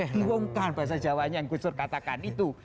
diwongkeh bahasa jawanya yang gustur katakan itu